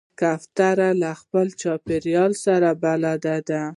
کوتره له خپل چاپېریال سره بلد ده.